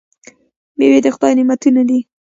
میوې د خدای نعمتونه دي.